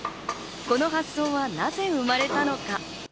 この発想はなぜ生まれたのか？